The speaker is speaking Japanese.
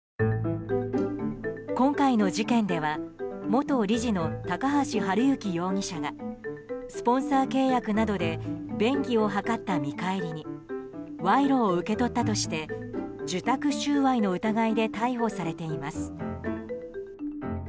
今回の事件では元理事の高橋治之容疑者がスポンサー契約などで便宜を図った見返りに賄賂を受け取ったとして受託収賄の疑いで逮捕されています。